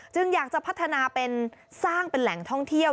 อยากจะพัฒนาเป็นสร้างเป็นแหล่งท่องเที่ยว